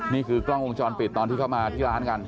นี่คือกล้องวงจรปิดตอนที่เข้ามาที่ร้านกัน